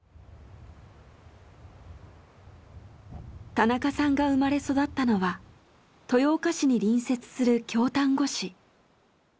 田中さんが生まれ育ったのは豊岡市に隣接する京丹後市。